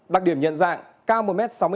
đặc điểm nhận dạng cao một m sáu mươi